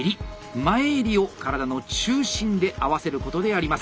前襟を体の中心で合わせることであります。